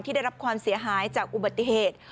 ได้รับความเสียหายจากอุบัติเหตุ